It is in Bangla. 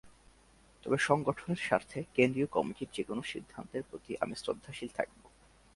তবে সংগঠনের স্বার্থে কেন্দ্রীয় কমিটির যেকোন সিদ্ধান্তের প্রতি আমি শ্রদ্ধাশীল থাকব।